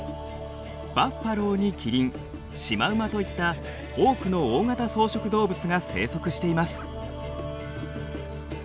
バッファローにキリンシマウマといった多くの大型草食動物が生息しています。